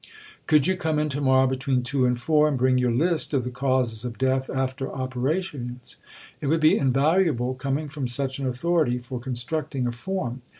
Could you come in to morrow between 2 and 4, and bring your list of the causes of death after operations? It would be invaluable, coming from such an authority, for constructing a Form."